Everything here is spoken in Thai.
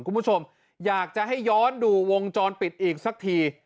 คุณผู้ชมอยากจะให้ย้อนดูวงจรปิดอีกสักที